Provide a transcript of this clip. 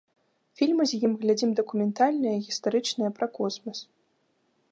Фільмы з ім глядзім дакументальныя і гістарычныя пра космас.